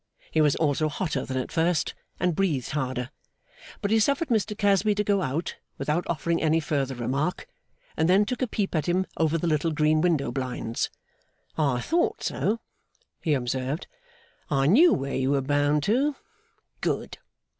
He was also hotter than at first, and breathed harder. But he suffered Mr Casby to go out, without offering any further remark, and then took a peep at him over the little green window blinds. 'I thought so,' he observed. 'I knew where you were bound to. Good!